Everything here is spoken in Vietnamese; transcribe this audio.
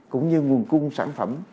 cũng như nguồn cung sản phẩm